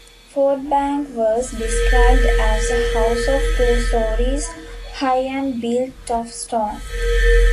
Fordbank was described as a house of two stories high and built of stone.